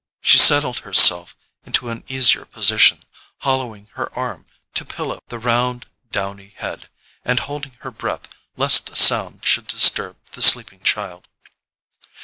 She settled herself into an easier position, hollowing her arm to pillow the round downy head, and holding her breath lest a sound should disturb the sleeping child.